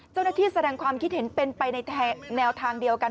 แสดงความคิดเห็นเป็นไปในแนวทางเดียวกัน